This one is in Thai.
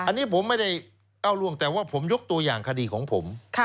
อันนี้ผมไม่ได้ก้าวล่วงแต่ว่าผมยกตัวอย่างคดีของผม